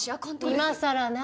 今さら何？